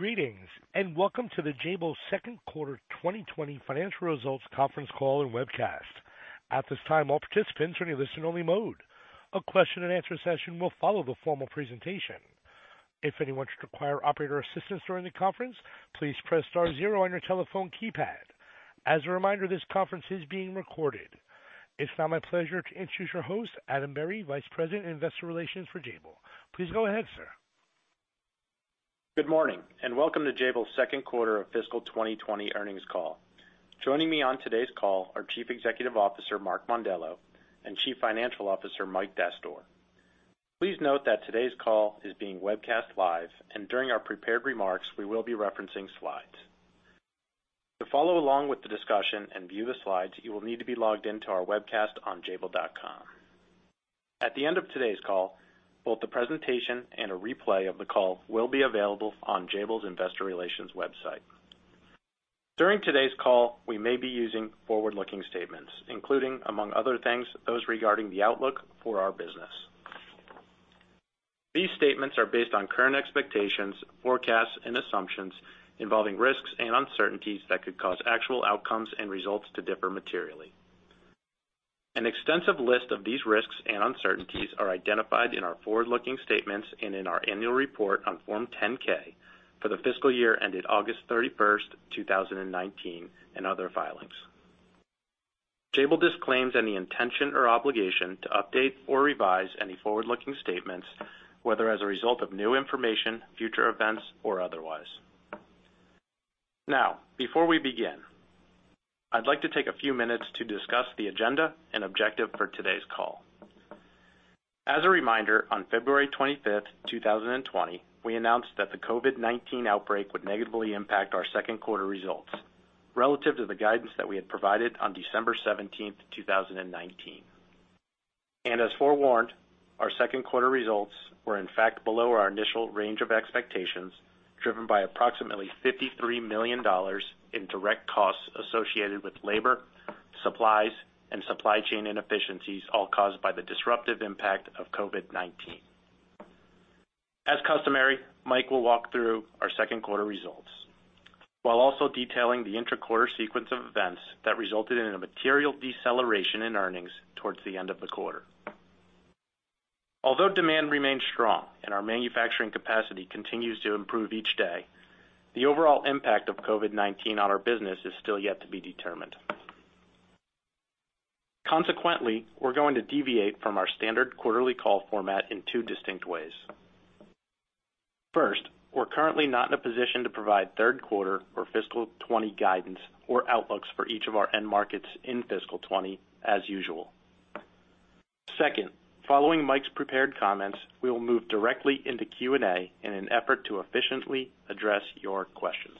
Greetings, and welcome to the Jabil Second Quarter 2020 Financial Results Conference Call and Webcast. At this time, all participants are in a listen-only mode. A question-and-answer session will follow the formal presentation. If anyone should require operator assistance during the conference, please press star zero on your telephone keypad. As a reminder, this conference is being recorded. It's now my pleasure to introduce your host, Adam Berry, Vice President, Investor Relations for Jabil. Please go ahead, sir. Good morning, and welcome to Jabil's Second Quarter of Fiscal 2020 Earnings Call. Joining me on today's call are Chief Executive Officer Mark Mondello and Chief Financial Officer Mike Dastoor. Please note that today's call is being webcast live, and during our prepared remarks, we will be referencing slides. To follow along with the discussion and view the slides, you will need to be logged into our webcast on jabil.com. At the end of today's call, both the presentation and a replay of the call will be available on Jabil's Investor Relations website. During today's call, we may be using forward-looking statements, including, among other things, those regarding the outlook for our business. These statements are based on current expectations, forecasts, and assumptions involving risks and uncertainties that could cause actual outcomes and results to differ materially. An extensive list of these risks and uncertainties are identified in our forward-looking statements and in our annual report on Form 10-K for the fiscal year ended August 31st, 2019, and other filings. Jabil disclaims any intention or obligation to update or revise any forward-looking statements, whether as a result of new information, future events, or otherwise. Now, before we begin, I'd like to take a few minutes to discuss the agenda and objective for today's call. As a reminder, on February 25th, 2020, we announced that the COVID-19 outbreak would negatively impact our second quarter results relative to the guidance that we had provided on December 17th, 2019, and as forewarned, our second quarter results were, in fact, below our initial range of expectations, driven by approximately $53 million in direct costs associated with labor, supplies, and supply chain inefficiencies, all caused by the disruptive impact of COVID-19. As customary, Mike will walk through our second quarter results, while also detailing the interquarter sequence of events that resulted in a material deceleration in earnings towards the end of the quarter. Although demand remains strong and our manufacturing capacity continues to improve each day, the overall impact of COVID-19 on our business is still yet to be determined. Consequently, we're going to deviate from our standard quarterly call format in two distinct ways. First, we're currently not in a position to provide third quarter or fiscal 2020 guidance or outlooks for each of our end markets in fiscal 2020, as usual. Second, following Mike's prepared comments, we will move directly into Q&A in an effort to efficiently address your questions.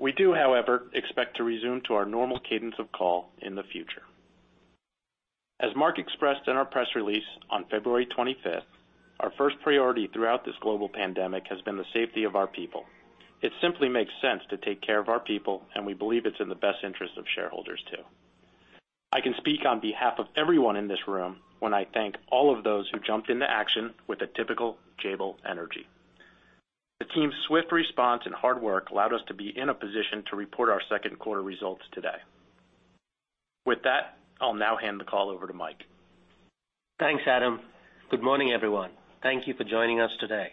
We do, however, expect to resume to our normal cadence of call in the future. As Mark expressed in our press release on February 25th, our first priority throughout this global pandemic has been the safety of our people. It simply makes sense to take care of our people, and we believe it's in the best interest of shareholders too. I can speak on behalf of everyone in this room when I thank all of those who jumped into action with a typical Jabil energy. The team's swift response and hard work allowed us to be in a position to report our second quarter results today. With that, I'll now hand the call over to Mike. Thanks, Adam. Good morning, everyone. Thank you for joining us today.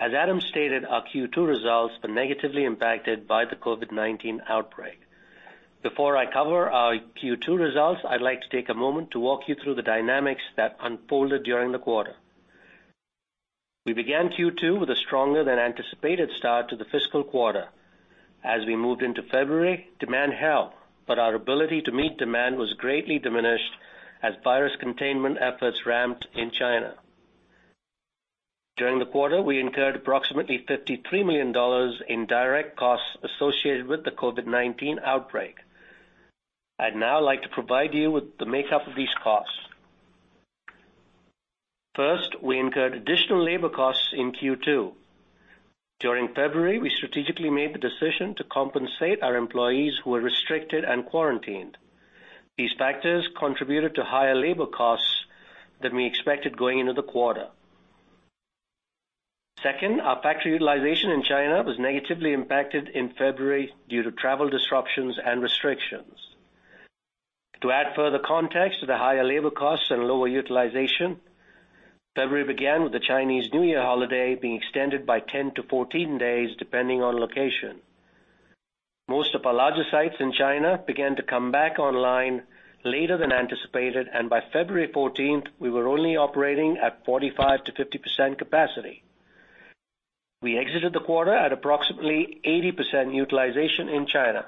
As Adam stated, our Q2 results were negatively impacted by the COVID-19 outbreak. Before I cover our Q2 results, I'd like to take a moment to walk you through the dynamics that unfolded during the quarter. We began Q2 with a stronger-than-anticipated start to the fiscal quarter. As we moved into February, demand held, but our ability to meet demand was greatly diminished as virus containment efforts ramped in China. During the quarter, we incurred approximately $53 million in direct costs associated with the COVID-19 outbreak. I'd now like to provide you with the makeup of these costs. First, we incurred additional labor costs in Q2. During February, we strategically made the decision to compensate our employees who were restricted and quarantined. These factors contributed to higher labor costs than we expected going into the quarter. Second, our factory utilization in China was negatively impacted in February due to travel disruptions and restrictions. To add further context to the higher labor costs and lower utilization, February began with the Chinese New Year holiday being extended by 10-14 days, depending on location. Most of our larger sites in China began to come back online later than anticipated, and by February 14th, we were only operating at 45%-50% capacity. We exited the quarter at approximately 80% utilization in China.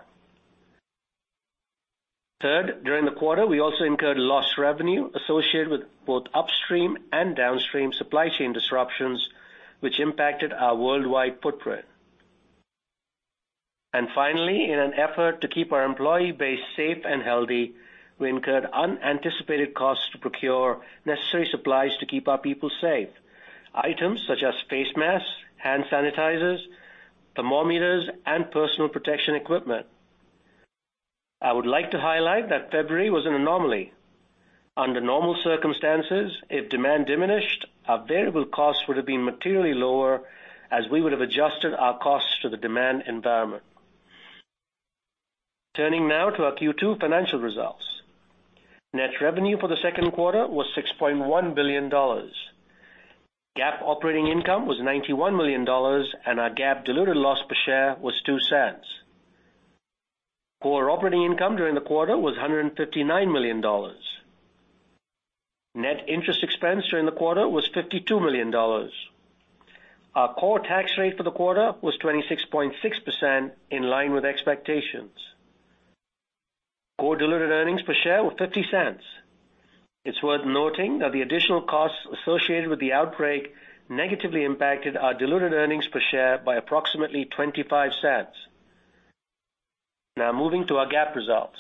Third, during the quarter, we also incurred lost revenue associated with both upstream and downstream supply chain disruptions, which impacted our worldwide footprint. And finally, in an effort to keep our employee base safe and healthy, we incurred unanticipated costs to procure necessary supplies to keep our people safe: items such as face masks, hand sanitizers, thermometers, and personal protection equipment. I would like to highlight that February was an anomaly. Under normal circumstances, if demand diminished, our variable costs would have been materially lower as we would have adjusted our costs to the demand environment. Turning now to our Q2 financial results, net revenue for the second quarter was $6.1 billion. GAAP operating income was $91 million, and our GAAP diluted loss per share was $0.02. Core operating income during the quarter was $159 million. Net interest expense during the quarter was $52 million. Our core tax rate for the quarter was 26.6%, in line with expectations. Core diluted earnings per share were $0.50. It's worth noting that the additional costs associated with the outbreak negatively impacted our diluted earnings per share by approximately $0.25. Now, moving to our GAAP results.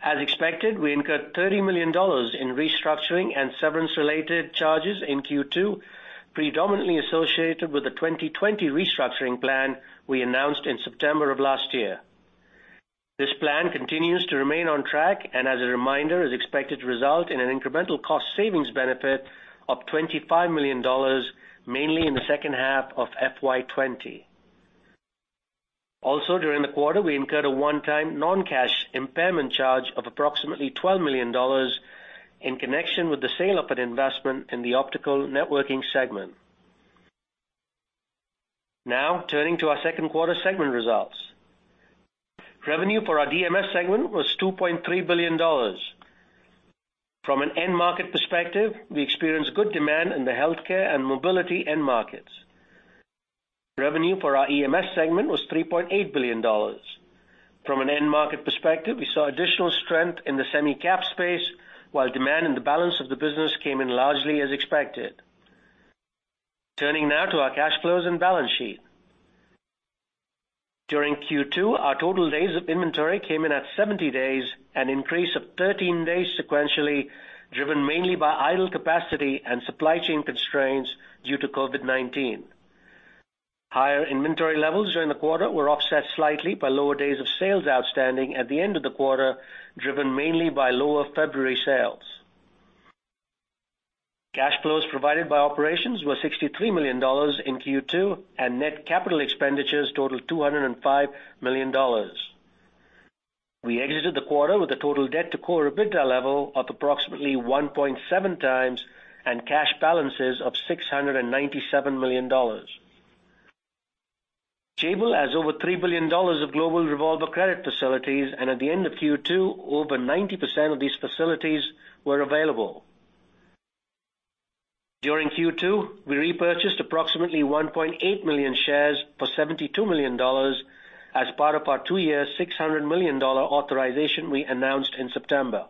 As expected, we incurred $30 million in restructuring and severance-related charges in Q2, predominantly associated with the 2020 restructuring plan we announced in September of last year. This plan continues to remain on track and, as a reminder, is expected to result in an incremental cost savings benefit of $25 million, mainly in the second half of FY20. Also, during the quarter, we incurred a one-time non-cash impairment charge of approximately $12 million in connection with the sale of an investment in the optical networking segment. Now, turning to our second quarter segment results. Revenue for our DMS segment was $2.3 billion. From an end market perspective, we experienced good demand in the healthcare and mobility end markets. Revenue for our EMS segment was $3.8 billion. From an end market perspective, we saw additional strength in the semi-cap space, while demand in the balance of the business came in largely as expected. Turning now to our cash flows and balance sheet. During Q2, our total days of inventory came in at 70 days, an increase of 13 days sequentially, driven mainly by idle capacity and supply chain constraints due to COVID-19. Higher inventory levels during the quarter were offset slightly by lower days of sales outstanding at the end of the quarter, driven mainly by lower February sales. Cash flows provided by operations were $63 million in Q2, and net capital expenditures totaled $205 million. We exited the quarter with a total debt-to-core EBITDA level of approximately 1.7x and cash balances of $697 million. Jabil has over $3 billion of global revolver credit facilities, and at the end of Q2, over 90% of these facilities were available. During Q2, we repurchased approximately 1.8 million shares for $72 million as part of our two-year $600 million authorization we announced in September.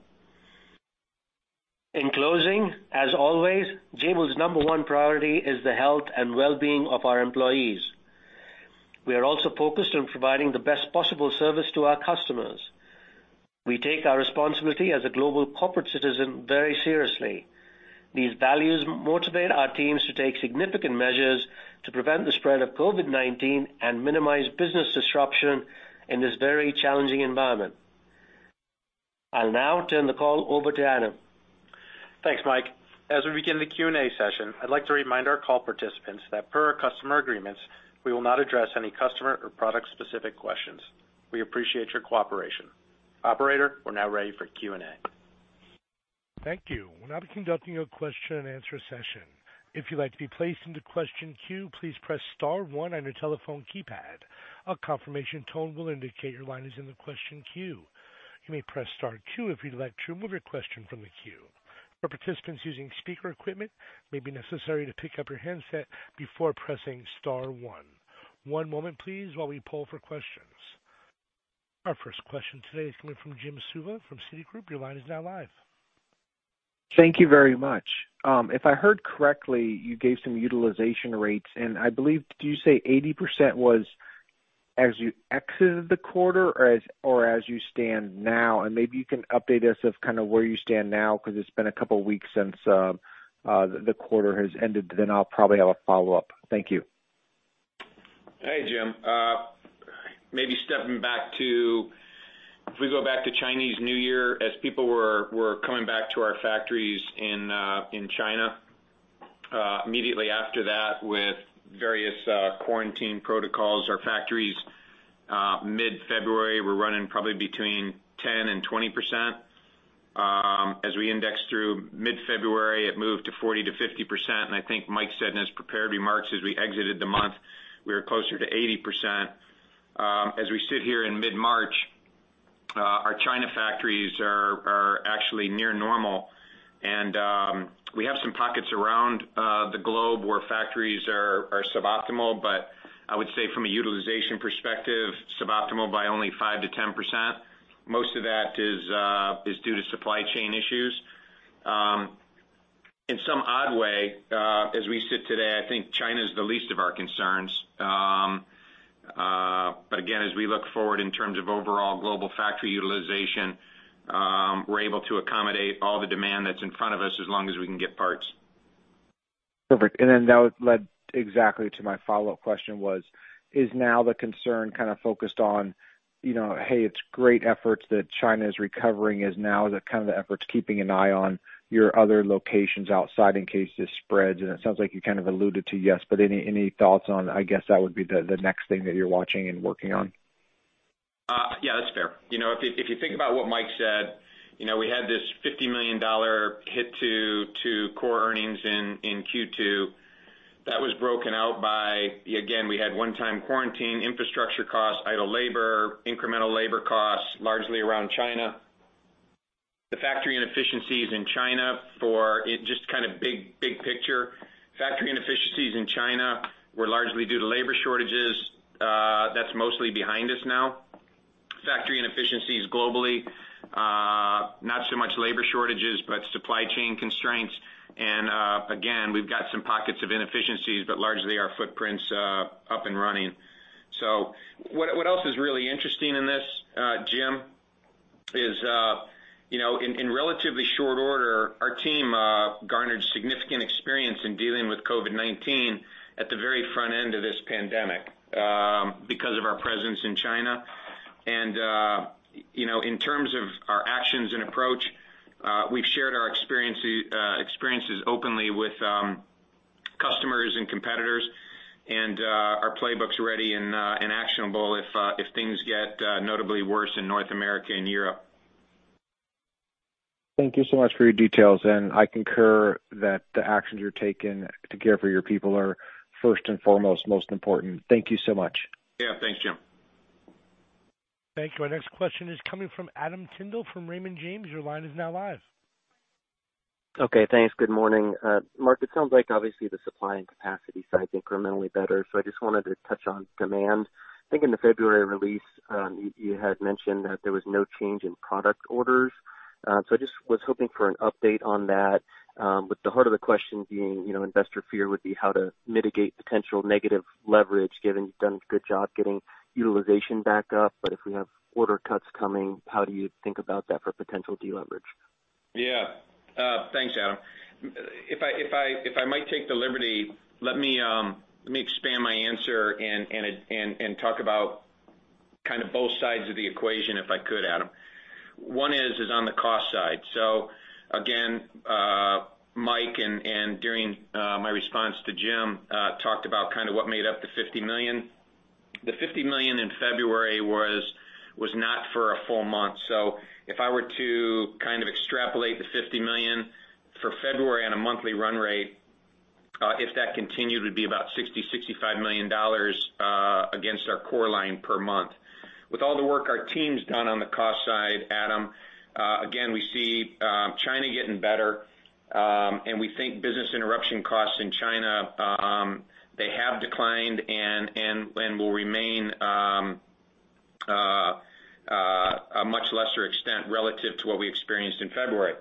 In closing, as always, Jabil's number one priority is the health and well-being of our employees. We are also focused on providing the best possible service to our customers. We take our responsibility as a global corporate citizen very seriously. These values motivate our teams to take significant measures to prevent the spread of COVID-19 and minimize business disruption in this very challenging environment. I'll now turn the call over to Adam. Thanks, Mike. As we begin the Q&A session, I'd like to remind our call participants that per our customer agreements, we will not address any customer or product-specific questions. We appreciate your cooperation. Operator, we're now ready for Q&A. Thank you. We're now conducting a question-and-answer session. If you'd like to be placed into question queue, please press star one on your telephone keypad. A confirmation tone will indicate your line is in the question queue. You may press star two if you'd like to remove your question from the queue. For participants using speaker equipment, it may be necessary to pick up your handset before pressing star one. One moment, please, while we poll for questions. Our first question today is coming from Jim Suva from Citigroup. Your line is now live. Thank you very much. If I heard correctly, you gave some utilization rates, and I believe, did you say 80% was as you exited the quarter or as you stand now? And maybe you can update us of kind of where you stand now because it's been a couple of weeks since the quarter has ended, then I'll probably have a follow-up. Thank you. Hey, Jim. Maybe stepping back to if we go back to Chinese New Year, as people were coming back to our factories in China immediately after that with various quarantine protocols, our factories mid-February were running probably between 10% and 20%. As we indexed through mid-February, it moved to 40%-50%. And I think Mike said in his prepared remarks as we exited the month, we were closer to 80%. As we sit here in mid-March, our China factories are actually near normal. And we have some pockets around the globe where factories are suboptimal, but I would say from a utilization perspective, suboptimal by only 5%-10%. Most of that is due to supply chain issues. In some odd way, as we sit today, I think China is the least of our concerns. But again, as we look forward in terms of overall global factory utilization, we're able to accommodate all the demand that's in front of us as long as we can get parts. Perfect. And then that would lead exactly to my follow-up question was, is now the concern kind of focused on, hey, it's great efforts that China is recovering is now kind of the efforts keeping an eye on your other locations outside in case this spreads? And it sounds like you kind of alluded to yes, but any thoughts on, I guess that would be the next thing that you're watching and working on? Yeah, that's fair. If you think about what Mike said, we had this $50 million hit to core earnings in Q2. That was broken out by, again, we had one-time quarantine, infrastructure costs, idle labor, incremental labor costs largely around China. The factory inefficiencies in China for just kind of big picture, factory inefficiencies in China were largely due to labor shortages. That's mostly behind us now. Factory inefficiencies globally, not so much labor shortages, but supply chain constraints. And again, we've got some pockets of inefficiencies, but largely our footprints up and running. So what else is really interesting in this, Jim, is in relatively short order, our team garnered significant experience in dealing with COVID-19 at the very front end of this pandemic because of our presence in China. And in terms of our actions and approach, we've shared our experiences openly with customers and competitors, and our playbook's ready and actionable if things get notably worse in North America and Europe. Thank you so much for your details, and I concur that the actions you're taking to care for your people are first and foremost, most important. Thank you so much. Yeah, thanks, Jim. Thank you. Our next question is coming from Adam Tindle from Raymond James. Your line is now live. Okay, thanks. Good morning. Mark, it sounds like obviously the supply and capacity side's incrementally better, so I just wanted to touch on demand. I think in the February release, you had mentioned that there was no change in product orders. So I just was hoping for an update on that, with the heart of the question being investor fear would be how to mitigate potential negative leverage given you've done a good job getting utilization back up. But if we have order cuts coming, how do you think about that for potential deleverage? Yeah. Thanks, Adam. If I might take the liberty, let me expand my answer and talk about kind of both sides of the equation if I could, Adam. One is on the cost side. So again, Mike and during my response to Jim talked about kind of what made up the $50 million. The $50 million in February was not for a full month. So if I were to kind of extrapolate the $50 million for February on a monthly run rate, if that continued, it would be about $60 million-$65 million against our core line per month. With all the work our team's done on the cost side, Adam, again, we see China getting better, and we think business interruption costs in China. They have declined and will remain a much lesser extent relative to what we experienced in February.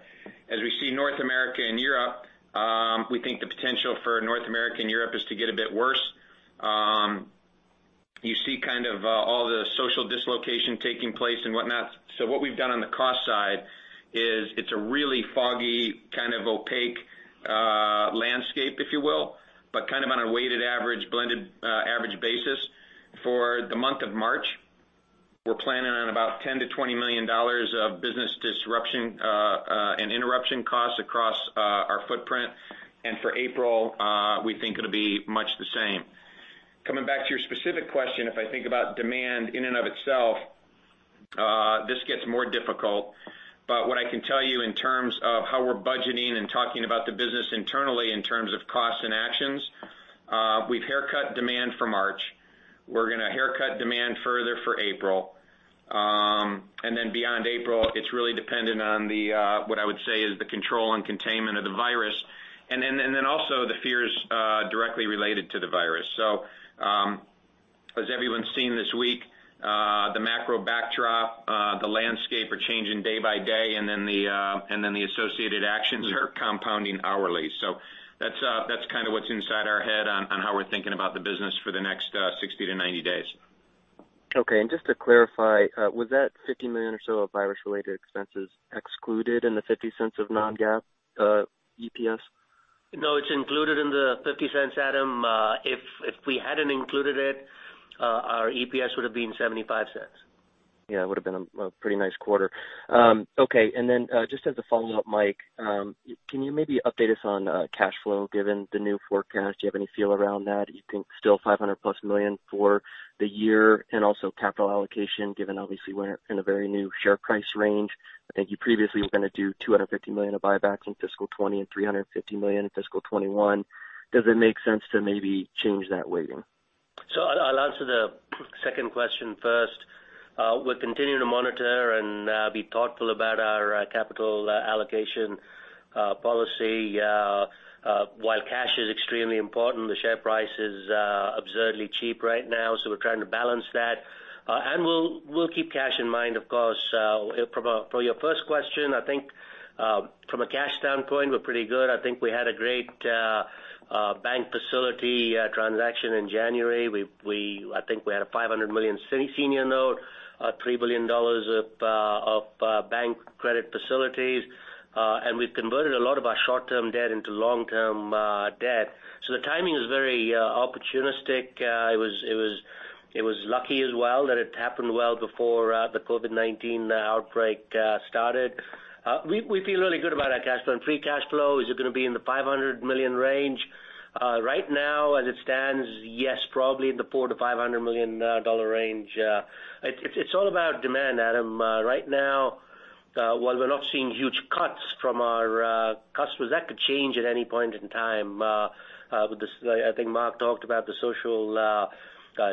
As we see North America and Europe, we think the potential for North America and Europe is to get a bit worse. You see kind of all the social dislocation taking place and whatnot. So what we've done on the cost side is it's a really foggy, kind of opaque landscape, if you will, but kind of on a weighted average, blended average basis. For the month of March, we're planning on about $10 million-$20 million of business disruption and interruption costs across our footprint. And for April, we think it'll be much the same. Coming back to your specific question, if I think about demand in and of itself, this gets more difficult. But what I can tell you in terms of how we're budgeting and talking about the business internally in terms of costs and actions, we've haircut demand for March. We're going to haircut demand further for April. And then beyond April, it's really dependent on what I would say is the control and containment of the virus. And then also the fears directly related to the virus. So as everyone's seen this week, the macro backdrop, the landscape are changing day by day, and then the associated actions are compounding hourly. So that's kind of what's inside our head on how we're thinking about the business for the next 60-90 days. Okay. And just to clarify, was that $50 million or so of virus-related expenses excluded in the $0.50 of non-GAAP EPS? No, it's included in the $0.50, Adam. If we hadn't included it, our EPS would have been $0.75. Yeah, it would have been a pretty nice quarter. Okay. And then just as a follow-up, Mike, can you maybe update us on cash flow given the new forecast? Do you have any feel around that? You think still $500+ million for the year and also capital allocation given obviously we're in a very new share price range. I think you previously were going to do $250 million of buybacks in fiscal 2020 and $350 million in fiscal 2021. Does it make sense to maybe change that weighting? So I'll answer the second question first. We're continuing to monitor and be thoughtful about our capital allocation policy. While cash is extremely important, the share price is absurdly cheap right now, so we're trying to balance that. And we'll keep cash in mind, of course. For your first question, I think from a cash standpoint, we're pretty good. I think we had a great bank facility transaction in January. I think we had a $500 million senior note, $3 billion of bank credit facilities. And we've converted a lot of our short-term debt into long-term debt. So the timing is very opportunistic. It was lucky as well that it happened well before the COVID-19 outbreak started. We feel really good about our cash flow and free cash flow. Is it going to be in the $500 million range? Right now, as it stands, yes, probably in the $4 million-$500 million range. It's all about demand, Adam. Right now, while we're not seeing huge cuts from our customers, that could change at any point in time. I think Mark talked about the social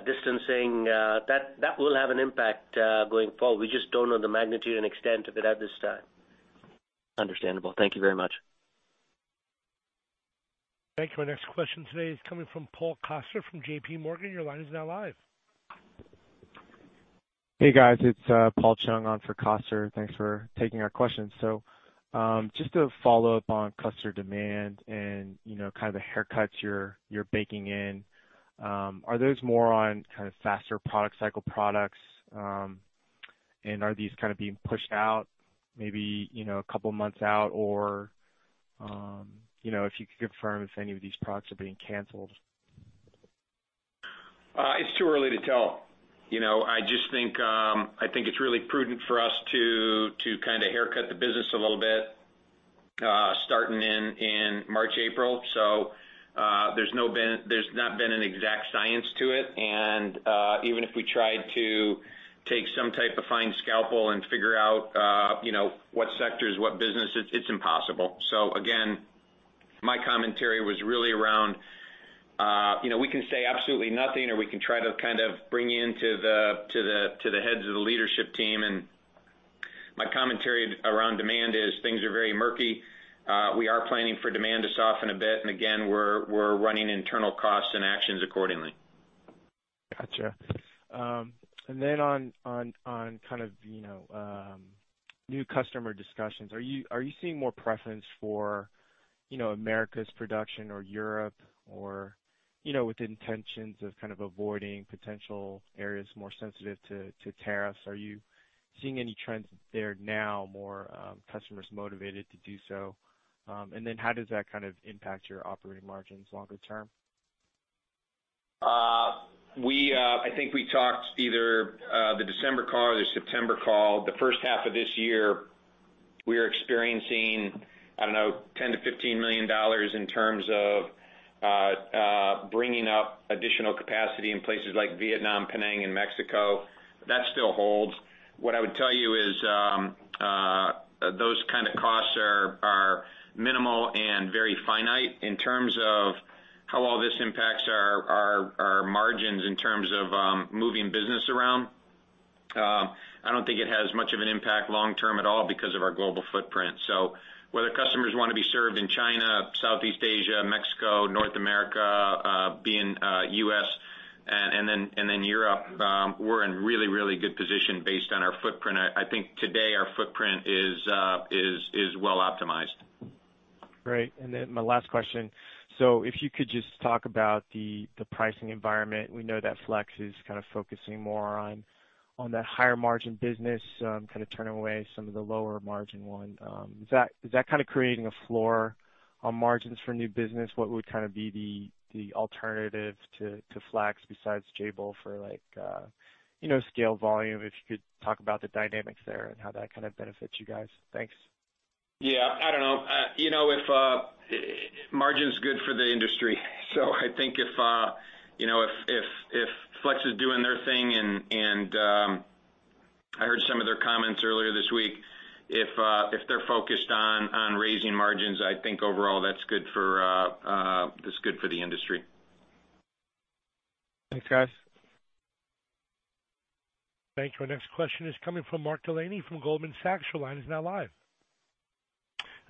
distancing. That will have an impact going forward. We just don't know the magnitude and extent of it at this time. Understandable. Thank you very much. Thank you. Our next question today is coming from Paul Coster from J.P. Morgan. Your line is now live. Hey, guys. It's Paul Chung on for Coster. Thanks for taking our questions. So just to follow up on customer demand and kind of the haircuts you're baking in, are those more on kind of faster product cycle products? And are these kind of being pushed out maybe a couple of months out? Or if you could confirm if any of these products are being canceled. It's too early to tell. I just think it's really prudent for us to kind of haircut the business a little bit starting in March, April. So there's not been an exact science to it. And even if we tried to take some type of fine scalpel and figure out what sectors, what business, it's impossible. So again, my commentary was really around we can say absolutely nothing or we can try to kind of bring you into the heads of the leadership team. And my commentary around demand is things are very murky. We are planning for demand to soften a bit. And again, we're running internal costs and actions accordingly. Gotcha. And then on kind of new customer discussions, are you seeing more preference for America's production or Europe or with intentions of kind of avoiding potential areas more sensitive to tariffs? Are you seeing any trends there now, more customers motivated to do so? And then how does that kind of impact your operating margins longer term? I think we talked either the December call or the September call. The first half of this year, we are experiencing, I don't know, $10 million-$15 million in terms of bringing up additional capacity in places like Vietnam, Penang, and Mexico. That still holds. What I would tell you is those kind of costs are minimal and very finite in terms of how all this impacts our margins in terms of moving business around. I don't think it has much of an impact long-term at all because of our global footprint. So whether customers want to be served in China, Southeast Asia, Mexico, North America, US, and then Europe, we're in really, really good position based on our footprint. I think today our footprint is well optimized. Great. And then my last question. So if you could just talk about the pricing environment. We know that Flex is kind of focusing more on that higher margin business, kind of turning away some of the lower margin one. Is that kind of creating a floor on margins for new business? What would kind of be the alternative to Flex besides Jabil for scale volume? If you could talk about the dynamics there and how that kind of benefits you guys. Thanks. Yeah. I don't know. Margin's good for the industry. So I think if Flex is doing their thing, and I heard some of their comments earlier this week, if they're focused on raising margins, I think overall that's good for the industry. Thanks, guys. Thank you. Our next question is coming from Mark Delaney from Goldman Sachs. Your line is now live.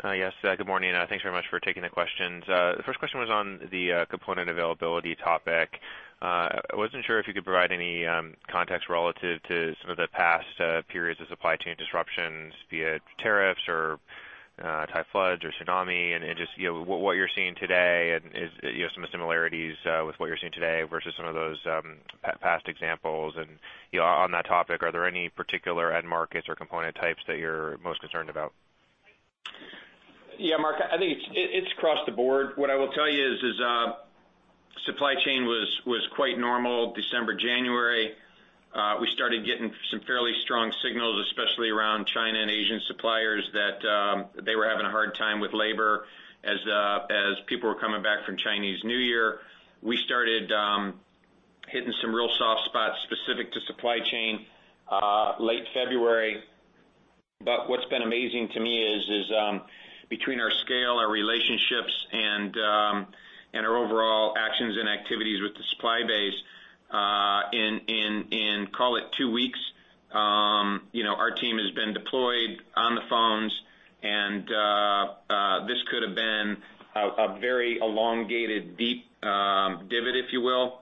Yes. Good morning. Thanks very much for taking the questions. The first question was on the component availability topic. I wasn't sure if you could provide any context relative to some of the past periods of supply chain disruptions, be it tariffs or Thai floods or tsunami, and just what you're seeing today and some of the similarities with what you're seeing today versus some of those past examples. And on that topic, are there any particular end markets or component types that you're most concerned about? Yeah, Mark, I think it's across the board. What I will tell you is supply chain was quite normal December, January. We started getting some fairly strong signals, especially around China and Asian suppliers, that they were having a hard time with labor as people were coming back from Chinese New Year. We started hitting some real soft spots specific to supply chain late February, but what's been amazing to me is between our scale, our relationships, and our overall actions and activities with the supply base, in, call it, two weeks, our team has been deployed on the phones, and this could have been a very elongated, deep divot, if you will.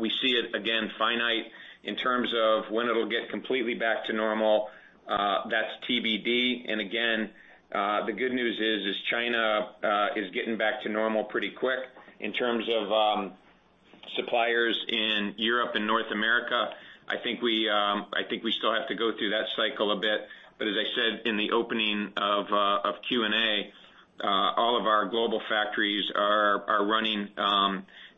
We see it, again, finite in terms of when it'll get completely back to normal. That's TBD. And again, the good news is China is getting back to normal pretty quick in terms of suppliers in Europe and North America. I think we still have to go through that cycle a bit. But as I said in the opening of Q&A, all of our global factories are running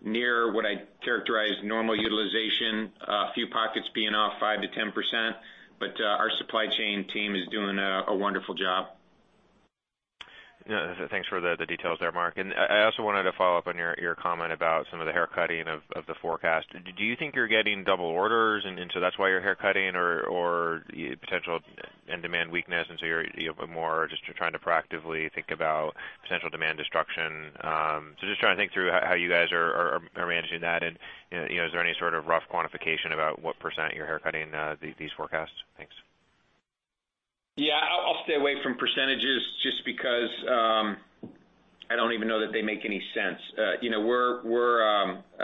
near what I characterize normal utilization, a few pockets being off 5%-10%. But our supply chain team is doing a wonderful job. Thanks for the details there, Mark. And I also wanted to follow up on your comment about some of the haircutting of the forecast. Do you think you're getting double orders, and so that's why you're haircutting, or potential end demand weakness, and so you're more just trying to proactively think about potential demand destruction? So just trying to think through how you guys are managing that. And is there any sort of rough quantification about what percent you're haircutting these forecasts? Thanks. Yeah. I'll stay away from percentages just because I don't even know that they make any sense. We're -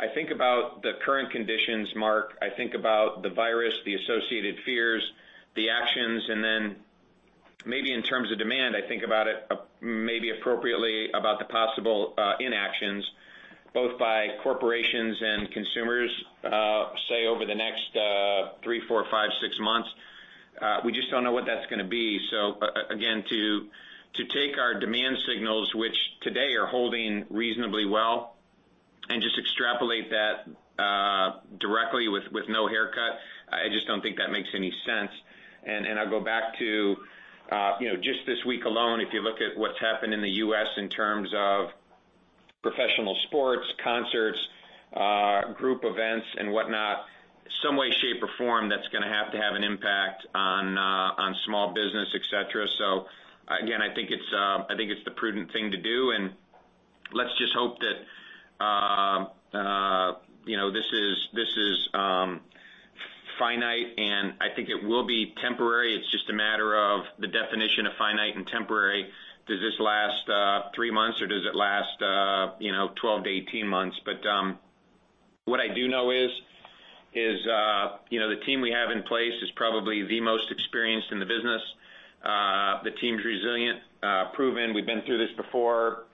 I think about the current conditions, Mark. I think about the virus, the associated fears, the actions, and then maybe in terms of demand, I think about it maybe appropriately about the possible inactions, both by corporations and consumers, say, over the next three, four, five, six months. We just don't know what that's going to be, so again, to take our demand signals, which today are holding reasonably well, and just extrapolate that directly with no haircut, I just don't think that makes any sense, and I'll go back to just this week alone, if you look at what's happened in the U.S. in terms of professional sports, concerts, group events, and whatnot, some way, shape, or form, that's going to have to have an impact on small business, etc. So again, I think it's the prudent thing to do. And let's just hope that this is finite, and I think it will be temporary. It's just a matter of the definition of finite and temporary. Does this last three months, or does it last 12-18 months? But what I do know is the team we have in place is probably the most experienced in the business. The team's resilient, proven. We've been through this before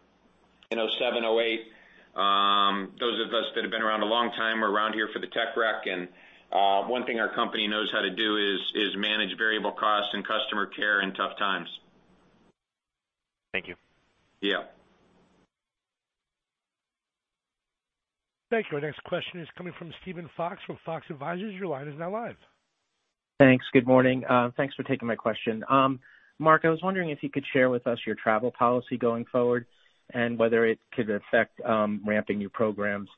in 2007, 2008. Those of us that have been around a long time are around here for the tech wreck. And one thing our company knows how to do is manage variable costs and customer care in tough times. Thank you. Thank you. Our next question is coming from Steven Fox from Fox Advisors. Your line is now live. Thanks. Good morning. Thanks for taking my question. Mark, I was wondering if you could share with us your travel policy going forward and whether it could affect ramping your programs.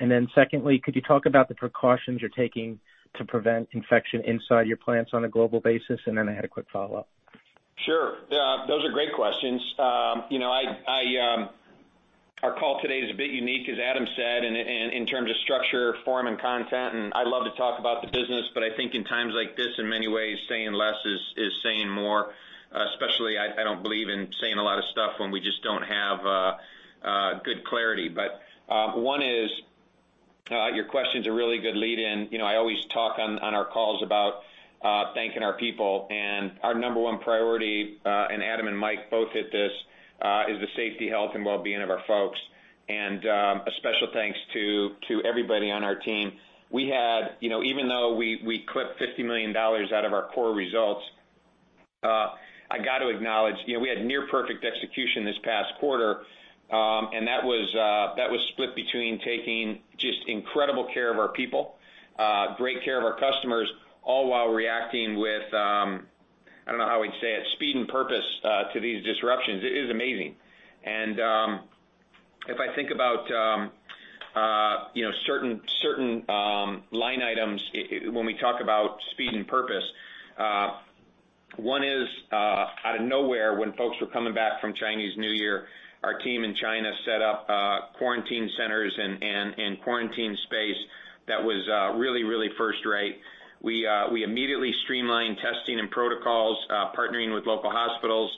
And then secondly, could you talk about the precautions you're taking to prevent infection inside your plants on a global basis? And then I had a quick follow-up. Sure. Those are great questions. Our call today is a bit unique, as Adam said, in terms of structure, form, and content, and I love to talk about the business, but I think in times like this, in many ways, saying less is saying more. Especially, I don't believe in saying a lot of stuff when we just don't have good clarity, but one is your question's a really good lead-in. I always talk on our calls about thanking our people, and our number one priority, and Adam and Mike both hit this, is the safety, health, and well-being of our folks, and a special thanks to everybody on our team. We had, even though we clipped $50 million out of our core results, I got to acknowledge we had near-perfect execution this past quarter. That was split between taking just incredible care of our people, great care of our customers, all while reacting with, I don't know how we'd say it, speed and purpose to these disruptions. It is amazing. If I think about certain line items when we talk about speed and purpose, one is out of nowhere when folks were coming back from Chinese New Year, our team in China set up quarantine centers and quarantine space that was really, really first-rate. We immediately streamlined testing and protocols, partnering with local hospitals.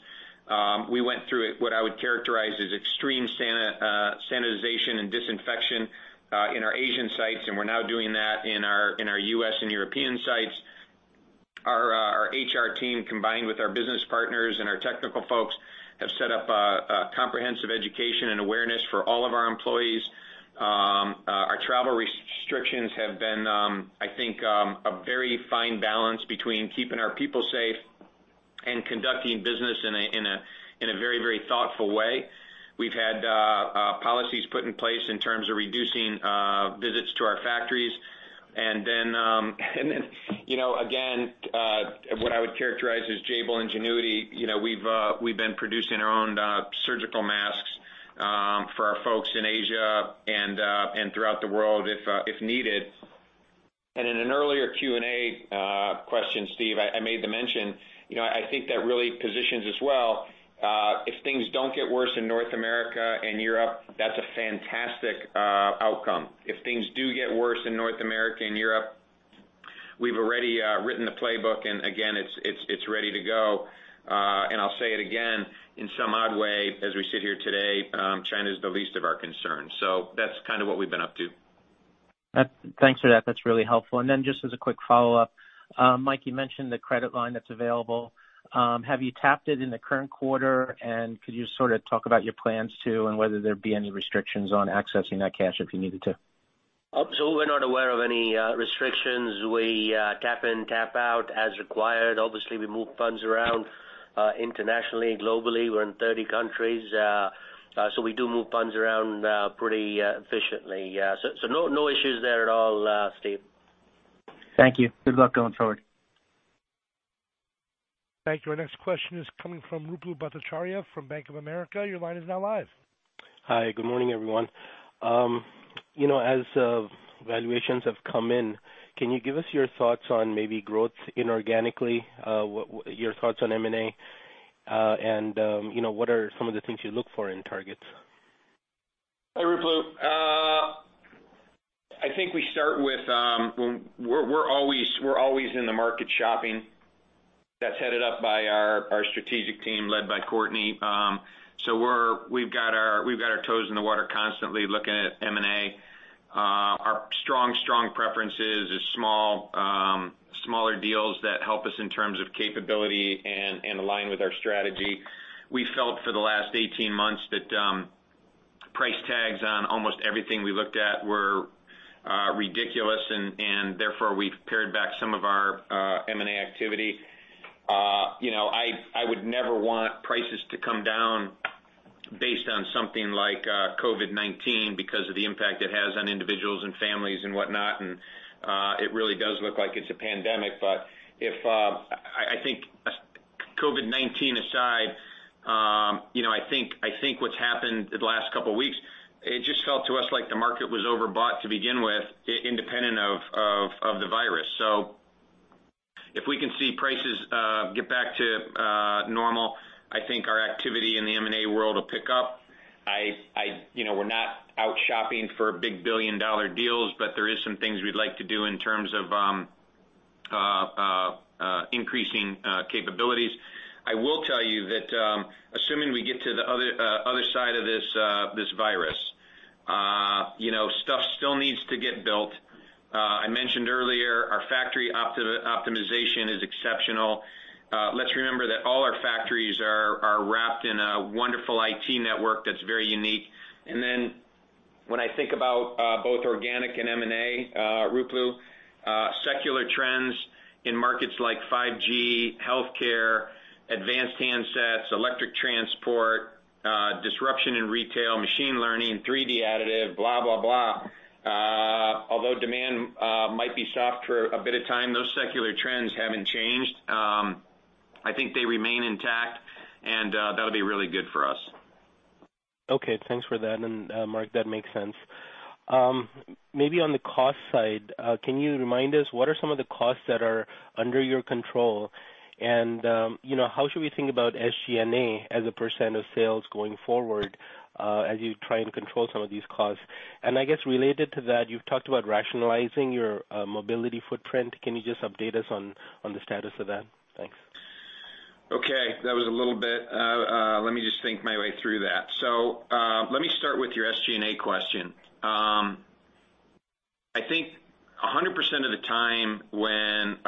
We went through what I would characterize as extreme sanitization and disinfection in our Asian sites, and we're now doing that in our U.S. and European sites. Our HR team, combined with our business partners and our technical folks, have set up a comprehensive education and awareness for all of our employees. Our travel restrictions have been, I think, a very fine balance between keeping our people safe and conducting business in a very, very thoughtful way. We've had policies put in place in terms of reducing visits to our factories. And then again, what I would characterize as Jabil and Jability, we've been producing our own surgical masks for our folks in Asia and throughout the world if needed. And in an earlier Q&A question, Steve, I made the mention. I think that really positions as well. If things don't get worse in North America and Europe, that's a fantastic outcome. If things do get worse in North America and Europe, we've already written the playbook. And again, it's ready to go. And I'll say it again in some odd way, as we sit here today, China is the least of our concerns. So that's kind of what we've been up to. Thanks for that. That's really helpful. And then just as a quick follow-up, Mike, you mentioned the credit line that's available. Have you tapped it in the current quarter? And could you sort of talk about your plans too and whether there'd be any restrictions on accessing that cash if you needed to? Absolutely. We're not aware of any restrictions. We tap in, tap out as required. Obviously, we move funds around internationally, globally. We're in 30 countries. So we do move funds around pretty efficiently. So no issues there at all, Steve. Thank you. Good luck going forward. Thank you. Our next question is coming from Ruplu Bhattacharya from Bank of America. Your line is now live. Hi. Good morning, everyone. As valuations have come in, can you give us your thoughts on maybe growth inorganically, your thoughts on M&A, and what are some of the things you look for in targets? Hi, Ruplu. I think we start with we're always in the market shopping. That's headed up by our strategic team led by Courtney, so we've got our toes in the water constantly looking at M&A. Our strong, strong preference is small, smaller deals that help us in terms of capability and align with our strategy. We felt for the last 18 months that price tags on almost everything we looked at were ridiculous, and therefore we've pared back some of our M&A activity. I would never want prices to come down based on something like COVID-19 because of the impact it has on individuals and families and whatnot, and it really does look like it's a pandemic, but I think COVID-19 aside, I think what's happened the last couple of weeks, it just felt to us like the market was overbought to begin with, independent of the virus. So if we can see prices get back to normal, I think our activity in the M&A world will pick up. We're not out shopping for big billion-dollar deals, but there are some things we'd like to do in terms of increasing capabilities. I will tell you that assuming we get to the other side of this virus, stuff still needs to get built. I mentioned earlier our factory optimization is exceptional. Let's remember that all our factories are wrapped in a wonderful IT network that's very unique. And then when I think about both organic and M&A, Ruplu, secular trends in markets like 5G, healthcare, advanced handsets, electric transport, disruption in retail, machine learning, 3D additive, blah, blah, blah. Although demand might be soft for a bit of time, those secular trends haven't changed. I think they remain intact, and that'll be really good for us. Okay. Thanks for that. And Mark, that makes sense. Maybe on the cost side, can you remind us what are some of the costs that are under your control? And how should we think about SG&A as a % of sales going forward as you try and control some of these costs? And I guess related to that, you've talked about rationalizing your mobility footprint. Can you just update us on the status of that? Thanks. Okay. That was a little bit. Let me just think my way through that. So let me start with your SG&A question. I think 100% of the time when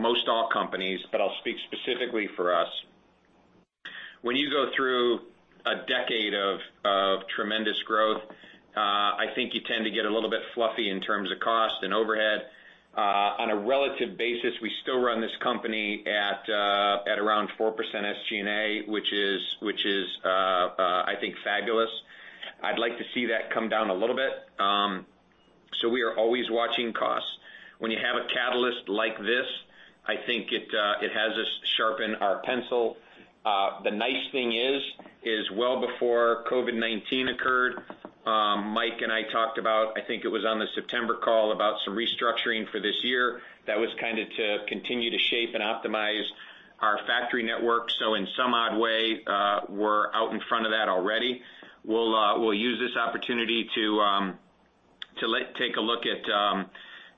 most all companies, but I'll speak specifically for us, when you go through a decade of tremendous growth, I think you tend to get a little bit fluffy in terms of cost and overhead. On a relative basis, we still run this company at around 4% SG&A, which is, I think, fabulous. I'd like to see that come down a little bit. So we are always watching costs. When you have a catalyst like this, I think it has us sharpen our pencil. The nice thing is, well before COVID-19 occurred, Mike and I talked about, I think it was on the September call, about some restructuring for this year. That was kind of to continue to shape and optimize our factory network. So in some odd way, we're out in front of that already. We'll use this opportunity to take a look at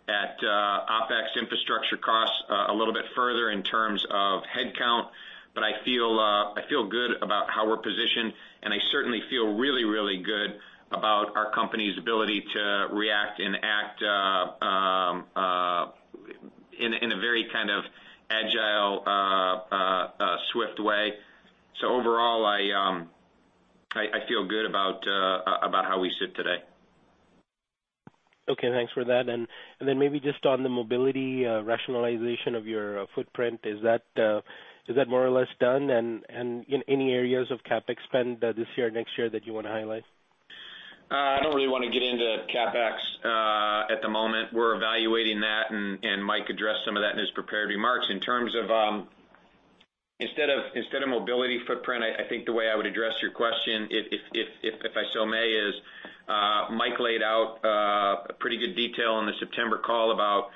OpEx infrastructure costs a little bit further in terms of headcount. But I feel good about how we're positioned. And I certainly feel really, really good about our company's ability to react and act in a very kind of agile, swift way. So overall, I feel good about how we sit today. Okay. Thanks for that. And then maybe just on the mobility rationalization of your footprint, is that more or less done? And any areas of CapEx spend this year or next year that you want to highlight? I don't really want to get into CapEx at the moment. We're evaluating that, and Mike addressed some of that in his prepared remarks. In terms of instead of mobility footprint, I think the way I would address your question, if I so may, is Mike laid out pretty good detail in the September call about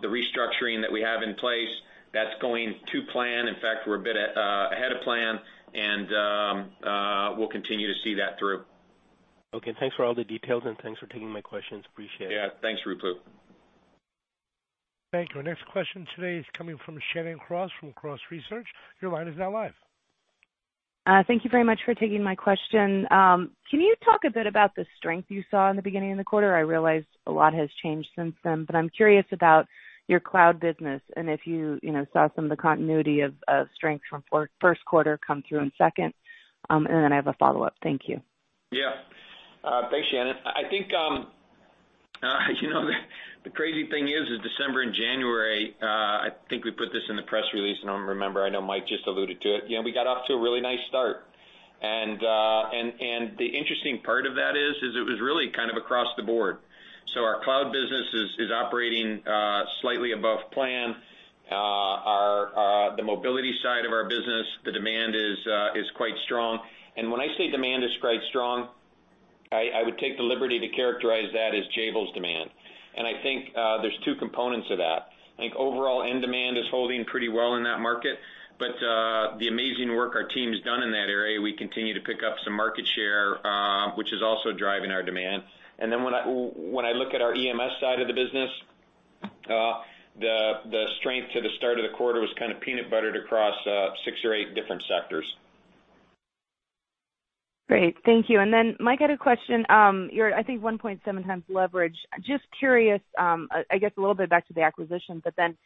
the restructuring that we have in place. That's going to plan. In fact, we're a bit ahead of plan, and we'll continue to see that through. Okay. Thanks for all the details, and thanks for taking my questions. Appreciate it. Yeah. Thanks, Ruplu. Thank you. Our next question today is coming from Shannon Cross from Cross Research. Your line is now live. Thank you very much for taking my question. Can you talk a bit about the strength you saw in the beginning of the quarter? I realize a lot has changed since then, but I'm curious about your cloud business and if you saw some of the continuity of strength from first quarter come through in second. And then I have a follow-up. Thank you. Yeah. Thanks, Shannon. I think the crazy thing is, is December and January, I think we put this in the press release, and I don't remember. I know Mike just alluded to it. We got off to a really nice start. And the interesting part of that is, is it was really kind of across the board. So our cloud business is operating slightly above plan. The mobility side of our business, the demand is quite strong. And when I say demand is quite strong, I would take the liberty to characterize that as Jabil's demand. And I think there's two components of that. I think overall, end demand is holding pretty well in that market. But the amazing work our team's done in that area, we continue to pick up some market share, which is also driving our demand. And then when I look at our EMS side of the business, the strength to the start of the quarter was kind of peanut buttered across six or eight different sectors. Great. Thank you, and then Mike had a question. I think 1.7 times leverage. Just curious, I guess a little bit back to the acquisition, but then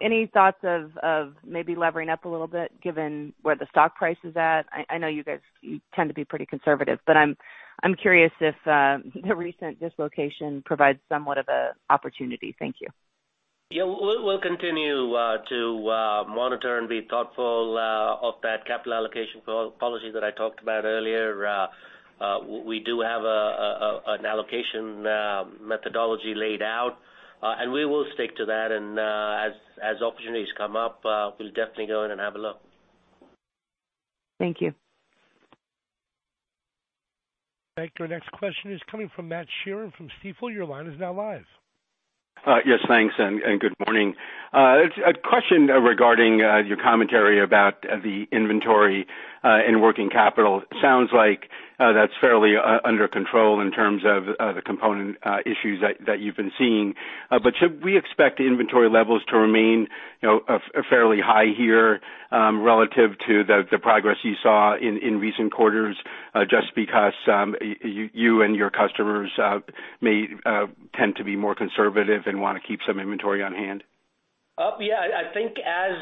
any thoughts of maybe levering up a little bit given where the stock price is at? I know you guys tend to be pretty conservative, but I'm curious if the recent dislocation provides somewhat of an opportunity. Thank you. Yeah. We'll continue to monitor and be thoughtful of that capital allocation policy that I talked about earlier. We do have an allocation methodology laid out, and we will stick to that. And as opportunities come up, we'll definitely go in and have a look. Thank you. Thank you. Our next question is coming from Matt Sheerin from Stifel. Your line is now live. Yes, thanks, and good morning. A question regarding your commentary about the inventory and working capital. Sounds like that's fairly under control in terms of the component issues that you've been seeing. But should we expect inventory levels to remain fairly high here relative to the progress you saw in recent quarters just because you and your customers may tend to be more conservative and want to keep some inventory on hand? Yeah. I think as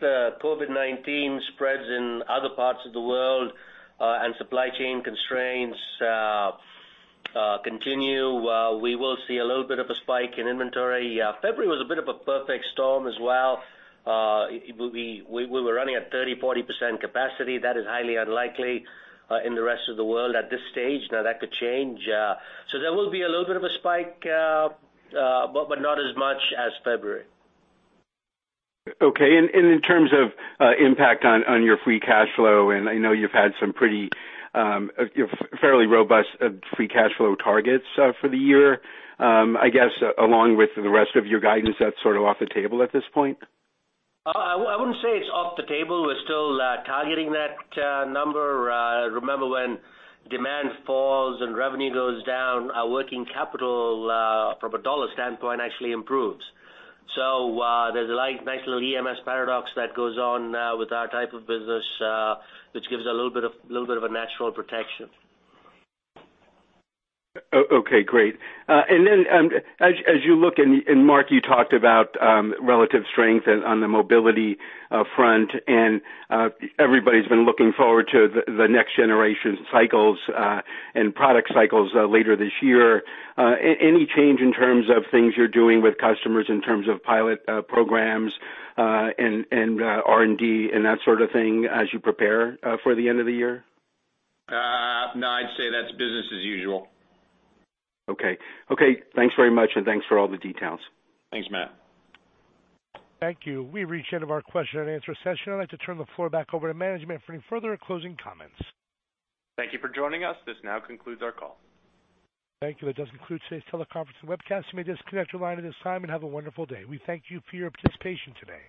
the COVID-19 spreads in other parts of the world and supply chain constraints continue, we will see a little bit of a spike in inventory. February was a bit of a perfect storm as well. We were running at 30%-40% capacity. That is highly unlikely in the rest of the world at this stage. Now, that could change. So there will be a little bit of a spike, but not as much as February. Okay. And in terms of impact on your free cash flow, and I know you've had some pretty fairly robust free cash flow targets for the year, I guess along with the rest of your guidance, that's sort of off the table at this point? I wouldn't say it's off the table. We're still targeting that number. Remember when demand falls and revenue goes down, our working capital from a dollar standpoint actually improves. So there's a nice little EMS paradox that goes on with our type of business, which gives a little bit of a natural protection. Okay. Great. And then as you look ahead, Mark, you talked about relative strength on the mobility front, and everybody's been looking forward to the next generation cycles and product cycles later this year. Any change in terms of things you're doing with customers in terms of pilot programs and R&D and that sort of thing as you prepare for the end of the year? No, I'd say that's business as usual. Okay. Okay. Thanks very much, and thanks for all the details. Thanks, Matt. Thank you. We've reached the end of our question and answer session. I'd like to turn the floor back over to management for any further closing comments. Thank you for joining us. This now concludes our call. Thank you. That does conclude today's teleconference and webcast. You may disconnect your line at this time and have a wonderful day. We thank you for your participation today.